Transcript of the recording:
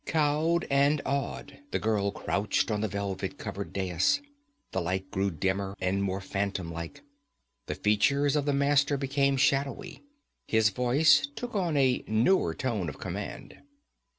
Cowed and awed, the girl crouched on the velvet covered dais. The light grew dimmer and more phantom like. The features of the Master became shadowy. His voice took on a newer tone of command.